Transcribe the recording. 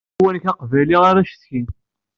I uwanek aqbayli ara cetkin.